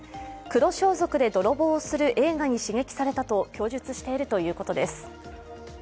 黒装束で泥棒する映画に刺激されたと供述しているということです。